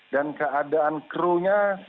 dan keadaan kerusakan